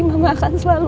mama akan selalu